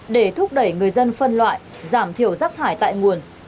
để thúc đẩy người dân phân loại giảm thiểu rác thải tại nguồn